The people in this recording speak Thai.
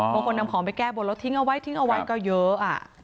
บางคนนำของไปแก้บนแล้วทิ้งเอาไว้ทิ้งเอาไว้ก็เยอะ